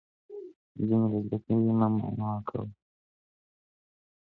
نجونې له زده کړې مه منع کوئ.